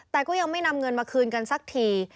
แต่ก็ยังไม่นำเงินมาคืนกันสักที